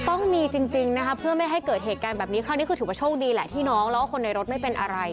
ต้องมีจริงนะคะเพื่อไม่ให้เกิดเหตุการณ์แบบนี้ครั้งนี้คือถือว่าโชคดีแหละที่น้องแล้วก็คนในรถไม่เป็นอะไร